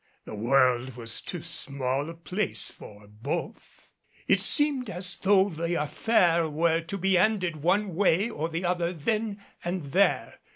The world was too small a place for both. It seemed as though the affair were to be ended one way or the other then and there.